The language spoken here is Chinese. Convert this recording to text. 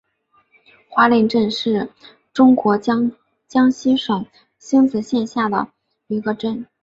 华林镇是中国江西省星子县下辖的一个镇。